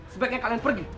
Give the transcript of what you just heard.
sebaiknya kalian pergi